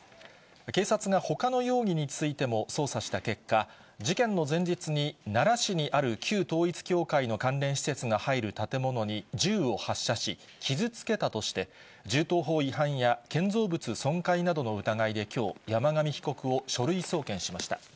警察がほかの容疑についても捜査した結果、事件の前日に、奈良市にある旧統一教会の関連施設が入る建物に銃を発射し、傷つけたとして、銃刀法違反や建造物損壊などの疑いできょう、山上被告を書類送検しました。